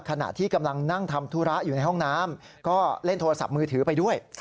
ขณะที่กำลังนั่งทำธุระอยู่ในห้องน้ำก็เล่นโทรศัพท์มือถือไปด้วย